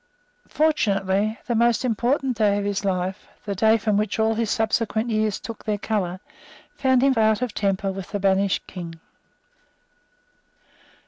Fortunately the most important day of his life, the day from which all his subsequent years took their colour, found him out of temper with the banished King.